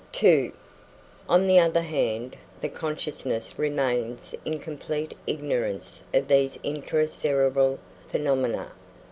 2. On the other hand, the consciousness remains in complete ignorance of these intra cerebral phenomena.